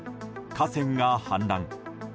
河川が氾濫。